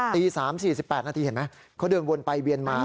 ตี๓๔๘นาทีเห็นไหมเขาเดินวนไปเวียนมา